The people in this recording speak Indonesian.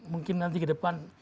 mungkin nanti ke depan